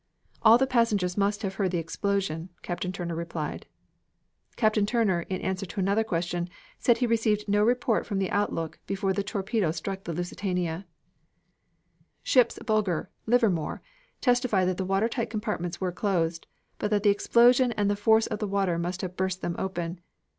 "All the passengers must have heard the explosion," Captain Turner replied. Captain Turner, in answer to another question, said he received no report from the lookout before the torpedo struck the Lusitania. Ship's Bugler Livermore testified that the watertight compartments were closed, but that the explosion and the force of the water must have burst them open.